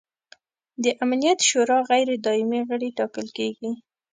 د امنیت شورا غیر دایمي غړي ټاکل کیږي.